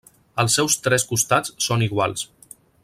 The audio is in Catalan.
Els seus tres costats són iguals.